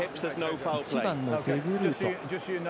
１番、デグルート。